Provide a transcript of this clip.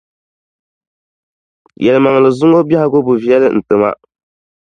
Yɛlimaŋli zuŋɔ biɛhigu bi viɛli n-ti ma.